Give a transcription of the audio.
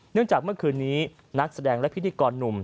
จากเมื่อคืนนี้นักแสดงและพิธีกรหนุ่ม